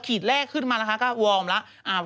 แรกขึ้นมานะคะก็วอร์มแล้ว